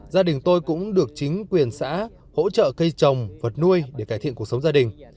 gia đình tôi cũng được chính quyền xã hỗ trợ cây trồng vật nuôi để cải thiện cuộc sống gia đình